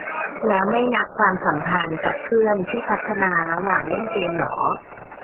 แล้วไม่นับความสัมพันธ์กับเพื่อนที่พัฒนาระหว่างเล่นเกมเหรอ ?